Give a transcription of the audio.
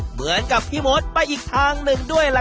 เหมือนกับพี่มดไปอีกทางหนึ่งด้วยล่ะครับ